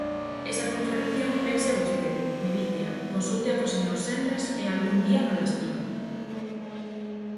Esa contradición pénsea vostede, medítea, consúltea co señor Senras, e algún día nola explica.